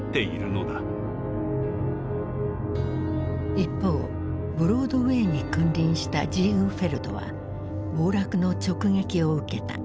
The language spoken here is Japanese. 一方ブロードウェイに君臨したジーグフェルドは暴落の直撃を受けた。